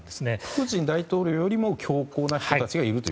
プーチン大統領よりも強硬な人たちがいると。